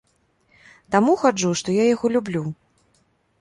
Таму хаджу, што яго люблю.